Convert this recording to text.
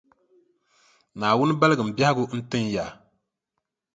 Naawuni baligimi biɛhigu n-tin ya.